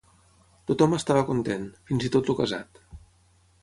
Tot-hom estava content, fins i tot el casat.